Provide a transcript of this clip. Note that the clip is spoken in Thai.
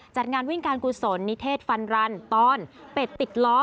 จัดงานวิ่งการกุศลนิเทศฟันรันตอนเป็ดติดล้อ